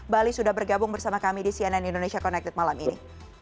bali sudah bergabung bersama kami di cnn indonesia connected malam ini